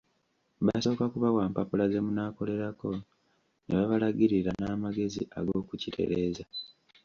Basooka kubawa mpapula ze munaakolerako ne babalagirira n'amagezi ag'okuzitereeza.